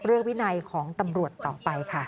วินัยของตำรวจต่อไปค่ะ